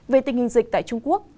về tình hình dịch tại trung quốc